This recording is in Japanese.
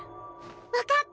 分かった！